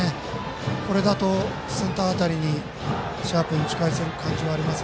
これだとセンター辺りにシャープに打ち返せる感じはあります。